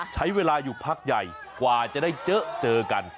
ใช้เวลาอยู่พักใหญ่กว่าจะได้เจอเจอกัน